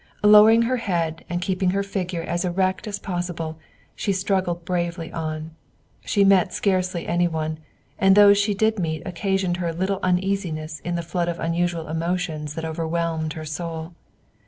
Lowering her head and keeping her figure as erect as possible, she struggled bravely on. She met scarcely any one, and those she did meet occasioned her little uneasiness in the flood of unusual emotions that overwhelmed her soul.